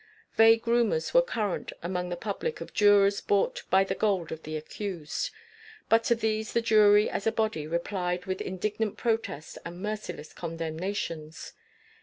Vague rumours were current among the public of jurors bought by the gold of the accused. But to these the jury as a body replied with indignant protest and merciless condemnations.